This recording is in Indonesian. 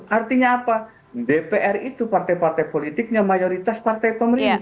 artinya apa dpr itu partai partai politiknya mayoritas partai pemerintah